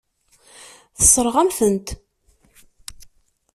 Tessṛeɣ-am-tent.